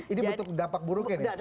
ini bentuk dapat buruk ini